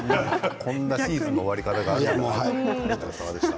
こんなシーズンの終わり方ってある？